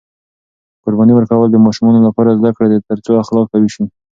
قرباني ورکول د ماشومانو لپاره زده کړه ده ترڅو اخلاق قوي شي.